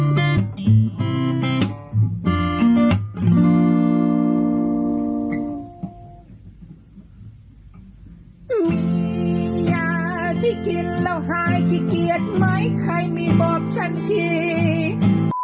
มียาที่กินแล้วหายขี้เกียจไหมใครไม่บอกฉันที